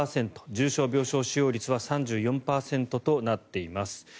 重症病床使用率は３４％となっています。